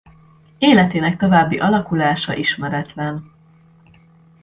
Életének további alakulása ismeretlen.